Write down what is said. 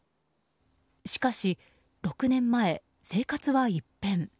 しかし６年前、生活は一変。